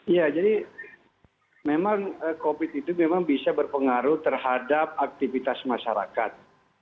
ya jadi memang covid itu memang bisa berpengaruh terhadap aktivitas masyarakat